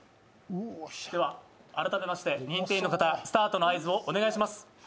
改めまして認定の方、スタートの合図よろしくお願いします。